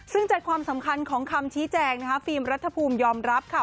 ซึ่งใจความสำคัญของคำชี้แจงนะคะฟิล์มรัฐภูมิยอมรับค่ะ